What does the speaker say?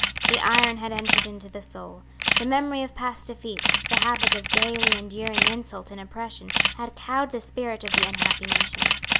The iron had entered into the soul. The memory of past defeats, the habit of daily enduring insult and oppression, had cowed the spirit of the unhappy nation.